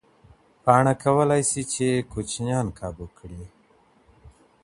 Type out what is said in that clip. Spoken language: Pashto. پاڼه کولی شي چې ماشومان کابو کړي.